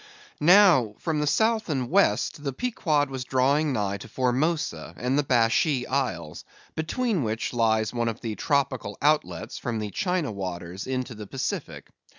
Now, from the South and West the Pequod was drawing nigh to Formosa and the Bashee Isles, between which lies one of the tropical outlets from the China waters into the Pacific.